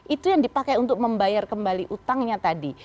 itu yang dipakai untuk membayar kembali utangnya tadi